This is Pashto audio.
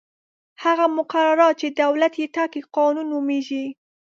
هغه مقررات چې دولت یې ټاکي قانون نومیږي.